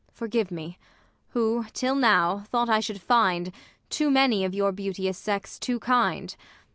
Ang. Forgive me, who, till now, thought I should find Too many of your beauteous sex too kind.